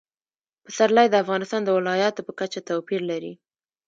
پسرلی د افغانستان د ولایاتو په کچه توپیر لري.